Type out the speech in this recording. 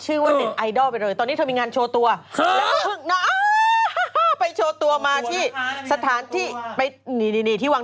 อื้อคนเรามันไม่ได้ตั้งใจจะดัง